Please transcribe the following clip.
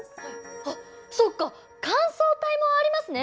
あっそうか乾燥帯もありますね。